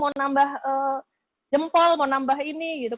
mau nambah jempol mau nambah ini gitu